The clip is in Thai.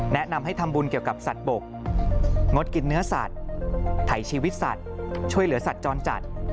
แนะนำให้ทำบุญเกี่ยวกับสัตว์บกงดกินเนื้อสัตว์ไถชีวิตสัตว์ช่วยเหลือสัตว์จรจัด